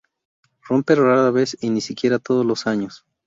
Rompe rara vez, y ni siquiera todos los años.